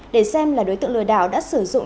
để xem là đối tượng lừa đảo đã sử dụng